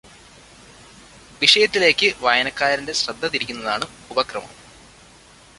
വിഷയത്തിലേയ്ക്ക് വായനക്കാരന്റെ ശ്രദ്ധ തിരിയ്കുന്നതാണ് ഉപക്രമം.